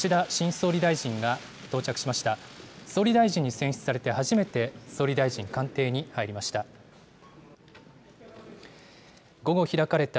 総理大臣に選出されて初めて、総理大臣官邸に入りました。